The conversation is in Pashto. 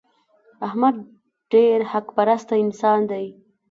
احمد ډېر حق پرسته انسان دی.